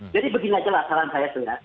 jadi begini sajalah saran saya itu ya